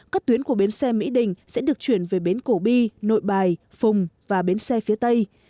các tuyến của bến xe mỹ đình sẽ được chuyển về bến cổ bi nội bài phùng và bến xe phía tây